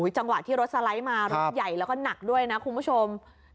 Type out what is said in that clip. จังหวะที่รถสไลด์มารถใหญ่แล้วก็หนักด้วยนะคุณผู้ชม